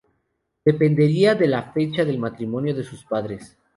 Dependería de la fecha del matrimonio de sus padres.